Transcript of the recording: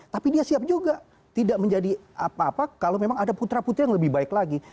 tapi dia siap juga tidak menjadi apa apa kalau memang ada putra putri yang lebih baik lagi